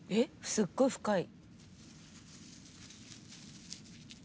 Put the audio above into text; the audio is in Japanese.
すっごい深い。